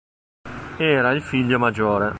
Era il figlio maggiore.